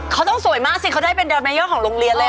เขาต้องสวยมากสิเขาได้เป็นโดแมเอร์ของโรงเรียนเลย